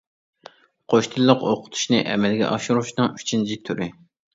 قوش تىللىق ئوقۇتۇشنى ئەمەلگە ئاشۇرۇشنىڭ ئۈچىنچى تۈرى.